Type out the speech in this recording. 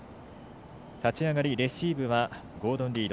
立ち上がり、レシーブはゴードン・リード。